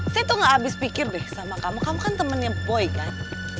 saya tuh gak habis pikir deh sama kamu kamu kan temennya boy kan